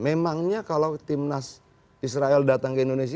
memangnya kalau timnas israel datang ke indonesia